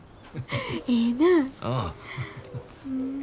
ええなぁ。